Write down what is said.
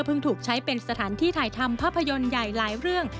ถูกใช้เป็นสถานที่ถ่ายทำภาพยนตร์ใหญ่หลายเรื่อง